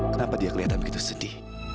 kenapa dia kelihatan begitu sedih